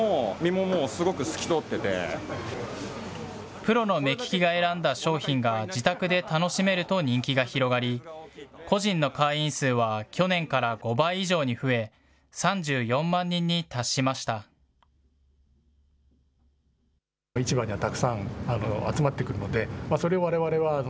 プロの目利きが選んだ商品が自宅で楽しめると人気が広がり、個人の会員数は去年から５倍以上に増え、３４万人に達しました。